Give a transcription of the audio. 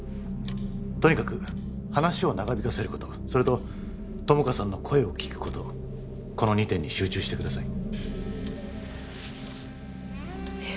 とにかく話を長引かせることそれと友果さんの声を聞くことこの２点に集中してください